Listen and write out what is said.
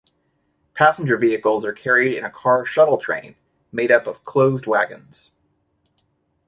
Passenger vehicles are carried in a car shuttle train, made up of closed wagons.